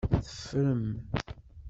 Teffrem.